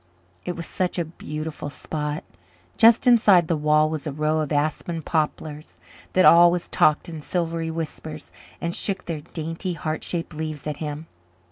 It was such a beautiful spot. Just inside the wall was a row of aspen poplars that always talked in silvery whispers and shook their dainty, heart shaped leaves at him.